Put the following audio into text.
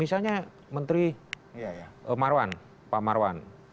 misalnya menteri marwan pak marwan